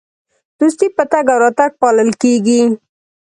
دوستي په تګ او راتګ پالل کیږي.